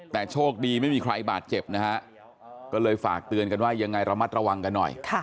แต่โชคดีไม่มีใครบาดเจ็บนะฮะก็เลยฝากเตือนกันว่ายังไงระมัดระวังกันหน่อย